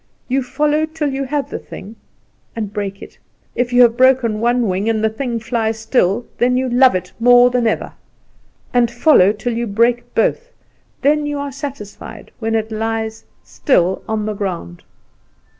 You follow till you have the thing, and break it. If you have broken one wing, and the thing flies still, then you love it more than ever, and follow till you break both; then you are satisfied when it lies still on the ground."